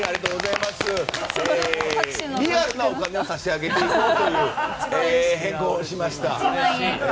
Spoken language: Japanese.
リアルなお金を差し上げていこうという方向に変更しました。